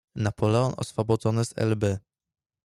"Napoleon oswobodzony z Elby."